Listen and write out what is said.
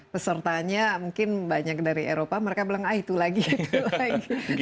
pesertanya mungkin banyak dari eropa mereka bilang ah itu lagi itu